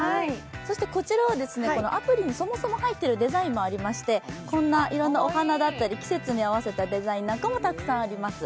こちらはアプリにそもそも入っているデザインもありまして、こんないろんなお花だったり季節に合わせたデザインもたくさんあります。